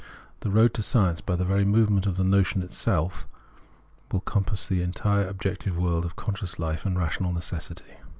The road to science, by the very movement of the notion itself, will compass the entire objective world of con scious hfe in its rational necessity.